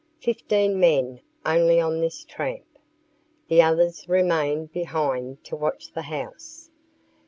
Fifteen men only on this tramp. The others remained behind to watch the house.